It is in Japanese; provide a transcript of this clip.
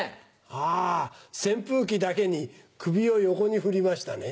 あぁ扇風機だけに首を横に振りましたね。